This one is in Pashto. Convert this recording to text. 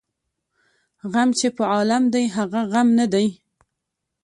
ـ غم چې په عالم دى هغه غم نه دى.